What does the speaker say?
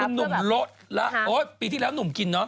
หนุ่มลดแล้วโอ้ปีที่แล้วหนุ่มกินเนาะ